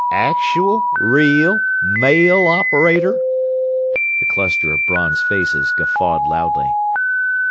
"Actooal, real, male operator?" The cluster of bronzed faces guffawed loudly.